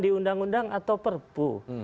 di undang undang atau perpu